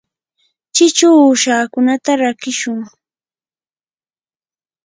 chichu uushakunata rakishun.